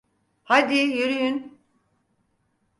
Hadi, yürüyün!